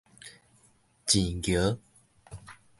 舐蟯